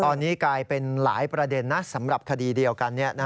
ตอนนี้กลายเป็นหลายประเด็นนะสำหรับคดีเดียวกัน